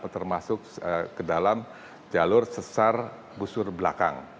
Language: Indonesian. termasuk ke dalam jalur sesar busur belakang